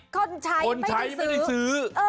คนใช้ไม่ได้ซื้อ